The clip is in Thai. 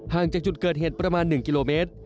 จากจุดเกิดเหตุประมาณ๑กิโลเมตร